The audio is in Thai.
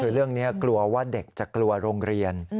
คือเรื่องนี้กลัวว่าเด็กจะกลัวโรงเรียน